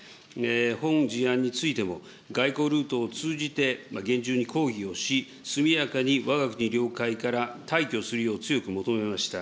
本事案についても、外交ルートを通じて厳重に抗議をし、速やかにわが国領海から退去するよう強く求めました。